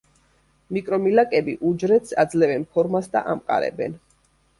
მიკრომილაკები უჯრედს აძლევენ ფორმას და ამყარებენ.